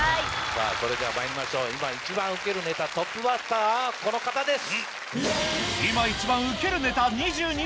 さぁそれではまいりましょう今一番ウケるネタトップバッターはこの方です。